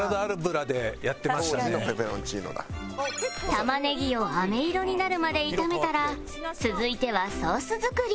玉ねぎを飴色になるまで炒めたら続いてはソース作り